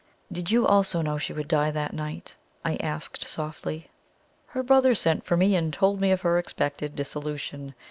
"Did you also know she would die that night?" I asked softly. "Her brother sent for me, and told me of her expected dissolution.